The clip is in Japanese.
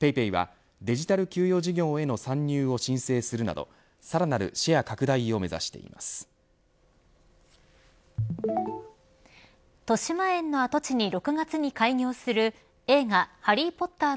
ＰａｙＰａｙはデジタル給与事業への参入を申請するなどさらなるシェア拡大をとしまえんの跡地に６月に開業する映画ハリー・ポッターの